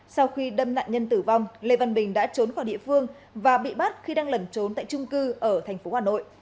sau khi đâm nạn nhân tử vong lê văn bình đã trốn khỏi địa phương và bị bắt khi đang lẩn trốn tại trung cư ở thành phố hà nội